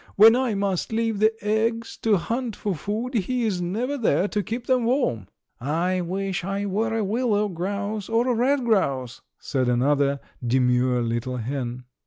When I must leave the eggs to hunt for food he is never there to keep them warm." "I wish I were a willow grouse or a red grouse," said another demure little hen.